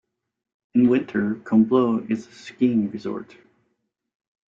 In winter, Combloux is a skiing resort.